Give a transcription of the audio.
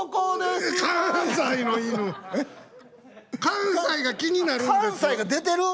関西が気になるんです。